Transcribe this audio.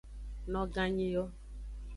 Noganyi yo.